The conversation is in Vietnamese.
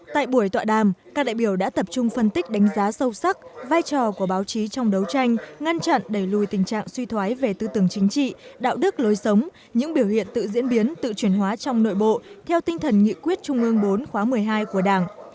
tại buổi tọa đàm các đại biểu đã tập trung phân tích đánh giá sâu sắc vai trò của báo chí trong đấu tranh ngăn chặn đẩy lùi tình trạng suy thoái về tư tưởng chính trị đạo đức lối sống những biểu hiện tự diễn biến tự chuyển hóa trong nội bộ theo tinh thần nghị quyết trung ương bốn khóa một mươi hai của đảng